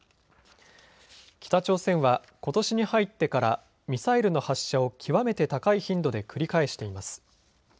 北朝鮮はことしに入ってからミサイルの発射を極めて高い頻度で繰り返しています。